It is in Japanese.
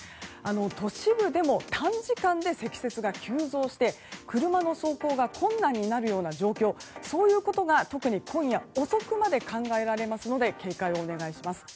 都市部でも短時間で積雪が急増して車の走行が困難になるような状況そういうことが特に今夜遅くまで考えられますので警戒をお願いします。